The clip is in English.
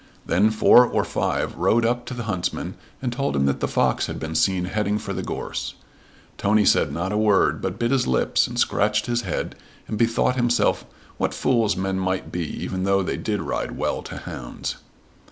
Then four or five rode up to the huntsman and told him that the fox had been seen heading for the gorse. Tony said not a word but bit his lips and scratched his head and bethought himself what fools men might be even though they did ride well to hounds.